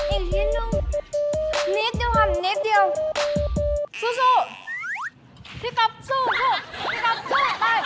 อีกนิดนึงนิดเดียวค่ะนิดเดียวสู้พี่ก๊อบสู้พี่ก๊อบสู้ได้